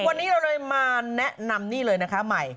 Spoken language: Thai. วันนี้เราเลยมาแนะนำนี่เลยนะคะใหม่